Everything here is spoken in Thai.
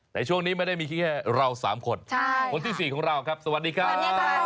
แต่ช่วงนี้ไม่ได้มีแค่เรา๓คนคนที่๔ของเราครับสวัสดีครับ